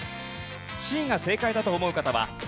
Ｃが正解だと思う方は＃